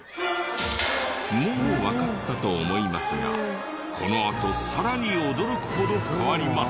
もうわかったと思いますがこのあとさらに驚くほど変わります。